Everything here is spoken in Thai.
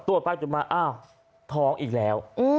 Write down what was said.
ตรวจปั้งจนมาเอ้าท้องอีกแล้ว